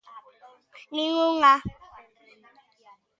Nin unha.